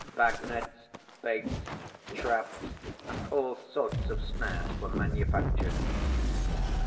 Bag nets, baits, traps and all sorts of snares were manufactured.